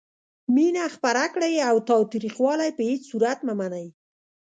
مینه خپره کړئ او تاوتریخوالی په هیڅ صورت مه منئ.